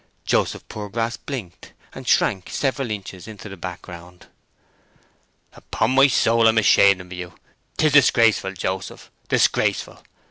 Joseph Poorgrass blinked, and shrank several inches into the background. "Upon my soul, I'm ashamed of you; 'tis disgraceful, Joseph, disgraceful!"